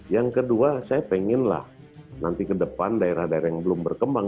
yang kedua saya pengenlah nanti ke depan daerah daerah yang belum berkembang